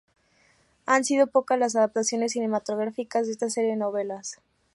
Han sido pocas las adaptaciones cinematográficas de esta serie de novelas.